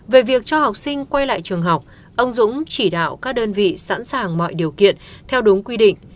về việc cho học sinh quay lại trường học ông dũng chỉ đạo các đơn vị sẵn sàng mọi điều kiện theo đúng quy định